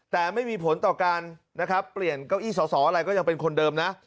แต่ไม่มีผลต่อการนะครับเปลี่ยนเก้าอี้สอสออะไรก็ยังเป็นคนเดิมนะ